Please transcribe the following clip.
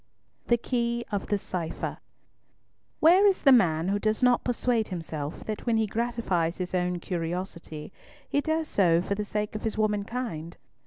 THE KEY OF THE CIPHER Where is the man who does not persuade himself that when he gratifies his own curiosity he does so for the sake of his womankind?